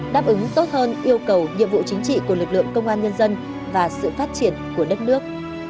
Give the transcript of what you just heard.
đáp ứng tốt hơn yêu cầu nhiệm vụ chính trị của lực lượng công an nhân dân và sự phát triển của đất nước